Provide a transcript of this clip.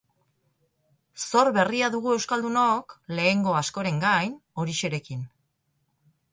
Zor berria dugu euskaldunok, lehengo askoren gain, Orixerekin.